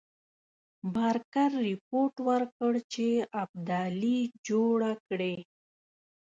بارکر رپوټ ورکړ چې ابدالي جوړه کړې.